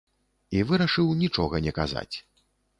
І вырашыў нічога не казаць.